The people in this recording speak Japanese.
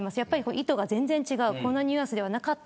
意図が全然違うこのニュアンスではなかった。